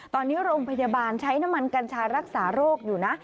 ตอนนี้โรงพยาบาลใช้น้ำมันกัญชารักษาโรคอยู่นะ